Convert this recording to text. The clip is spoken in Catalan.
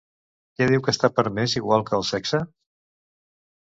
Què diu que està permès igual que el sexe?